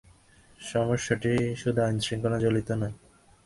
সমস্যাটি শুধু আইনশৃঙ্খলাজনিত নয়।